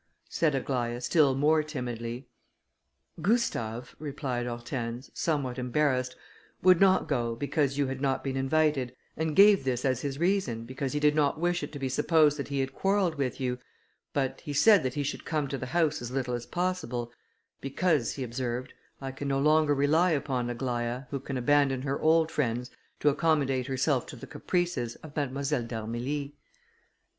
said Aglaïa, still more timidly. "Gustave," replied Hortense, somewhat embarrassed, "would not go, because you had not been invited, and gave this as his reason, because he did not wish it to be supposed that he had quarrelled with you, but he said that he should come to the house as little as possible, 'because,' he observed, 'I can no longer rely upon Aglaïa, who can abandon her old friends to accommodate herself to the caprices of Mademoiselle d'Armilly.'"